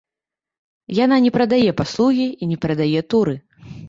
Яна не прадае паслугі і не прадае туры.